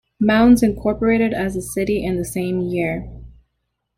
Mounds incorporated as a city in the same year.